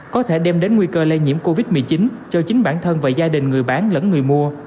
có thể đem đến nguy cơ lây nhiễm covid một mươi chín cho chính bản thân và gia đình người bán lẫn người mua